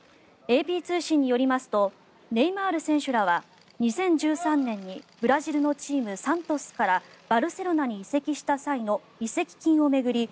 ＡＰ通信によりますとネイマール選手らは２０１３年にブラジルのチームサントスからバルセロナに移籍した際の移籍金を巡り